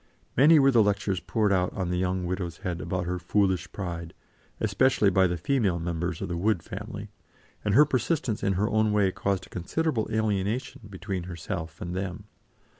Many were the lectures poured out on the young widow's head about her "foolish pride," especially by the female members of the Wood family; and her persistence in her own way caused a considerable alienation between herself and them.